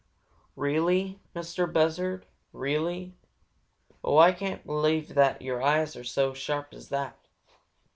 "Really, Mistah Buzzard? Really? Oh, I can't believe that your eyes are so sharp as all that!